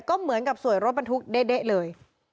ก็เหมือนกับสวยรถบรรทุกเด๊ะเลย